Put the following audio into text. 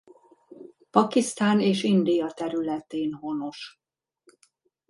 Pakisztán és India területén honos.